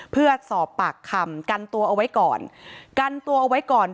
เพื่อสอบปากคำกันตัวเอาไว้ก่อน